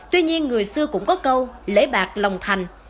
tuy nhiên người xưa cũng có câu lễ bạc lòng thành